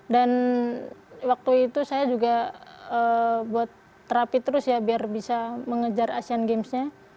dan waktu itu saya juga buat terapi terus ya biar bisa mengejar asian gamesnya